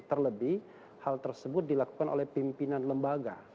terlebih hal tersebut dilakukan oleh pimpinan lembaga